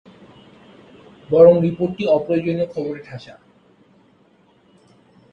বরং রিপোর্টটি অপ্রয়োজনীয় খবরে ঠাসা।